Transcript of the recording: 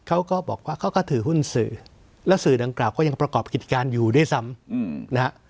เขาก็บอกว่าเขาก็ถือหุ้นสื่อและสื่อดังกล่าวก็ยังประกอบกิจการอยู่ด้วยซ้ำนะฮะ